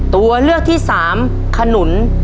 ตัวเลือกที่๓ขนุน